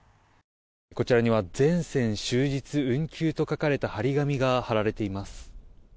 こちらには全線終日運休と書かれた貼り紙が貼られています。